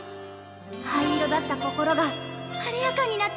灰色だった心が晴れやかになってきた！